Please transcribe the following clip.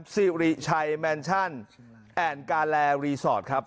สี่หรี่ไชแมนชั่นแอ่นกาแลรีสอร์ตครับ